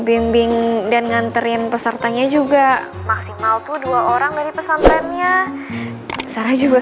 bikin bangga pesantren kunata ya nak